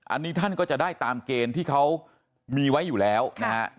อันนี้ท่านก็จะได้ตามเกณฑ์ที่เขามีไว้อยู่แล้วนะฮะ